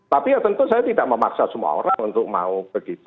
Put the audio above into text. tapi ya tentu saya tidak memaksa semua orang untuk mau begitu